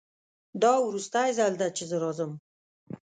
دا وروستی ځل ده چې زه راځم